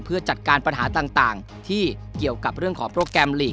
เพื่อจัดการปัญหาต่างที่เกี่ยวกับเรื่องของโปรแกรมลีก